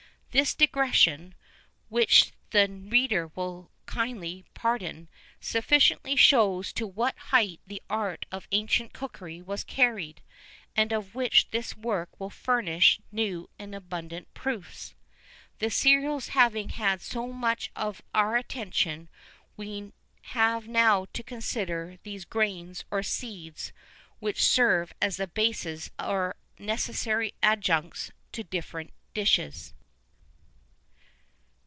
[V 36] This digression, which the reader will kindly pardon, sufficiently shows to what height the art of ancient cookery was carried, and of which this work will furnish new and abundant proofs. The cereals having had so much of our attention, we have now to consider those grains or seeds which serve as the bases or necessary adjuncts to different dishes.